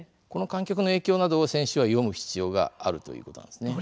この観客の影響などを選手は読む必要があるということです。